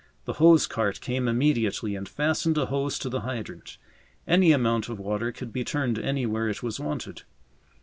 The hose cart came immediately and fastened a hose to the hydrant. Any amount of water could be turned anywhere it was wanted.